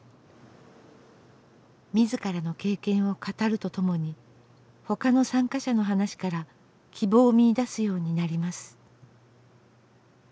自らの経験を語るとともに他の参加者の話から希望を見いだすようになります。